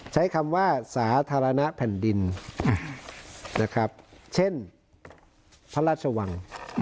ใช้คำว่าสาธารณะแผ่นดินนะครับเช่นพระราชวัง